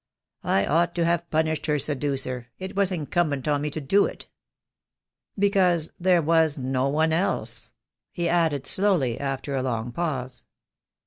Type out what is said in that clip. I ought to have punished her seducer — it was incumbent on me to do it. Because there was no one else," he added slowly, after a long pause.